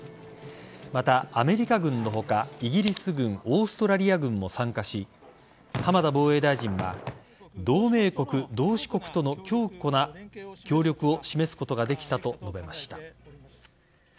また、アメリカ軍の他イギリス軍オーストラリア軍も参加し浜田防衛大臣は同盟国・同志国との強固な協力を示すことができたと述べました。